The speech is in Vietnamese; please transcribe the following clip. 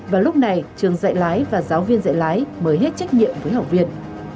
và lúc này trường dạy lái và giáo viên dạy lái mới hết trách nhiệm với học viên